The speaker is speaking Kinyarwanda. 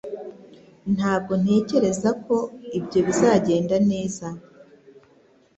Ntabwo ntekereza ko ibyo bizagenda neza